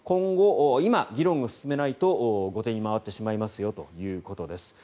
今、議論を進めないと後手に回ってしまいますよということです。